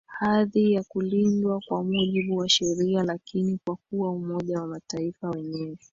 hadhi ya Kulindwa kwa mujibu wa sheria Lakini kwa kuwa umoja wa Mataifa wenyewe